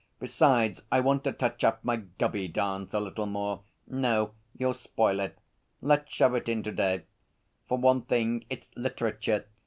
Besides I want to touch up my "Gubby Dance" a little more.' 'No. You'll spoil it. Let's shove it in to day. For one thing it's Literature.